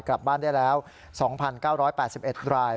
กลับบ้านได้แล้ว๒๙๘๑ราย